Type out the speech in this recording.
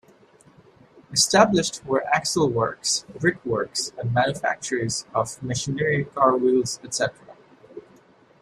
Established were axle works, brickworks, and manufactories of machinery, car wheels, etc.